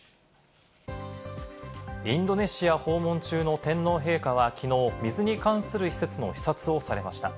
インドネシア訪問中の天皇陛下はきのう、水に関する施設の視察をされました。